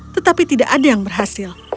tetapi tidak ada yang berhasil